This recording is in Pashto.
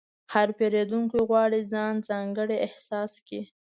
هر پیرودونکی غواړي ځان ځانګړی احساس کړي.